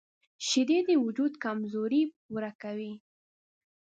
شیدې د وجود کمزوري پوره کوي